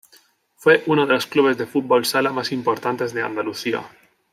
Fue uno de los clubes de fútbol sala más importantes de Andalucía.